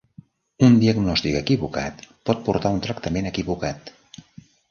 Un diagnòstic equivocat pot portar a un tractament equivocat.